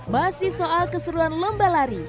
masih soal keseruan lomba lari